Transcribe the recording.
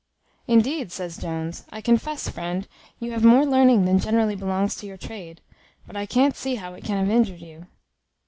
"Indeed," says Jones, "I confess, friend, you have more learning than generally belongs to your trade; but I can't see how it can have injured you."